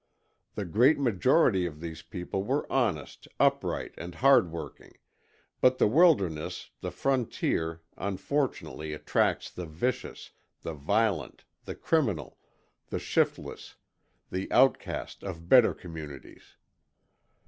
The great majority of these people were honest, upright and hardworking, but the wilderness, the frontier, unfortunately attracts the vicious, the violent, the criminal, the shiftless, the outcast of better communities.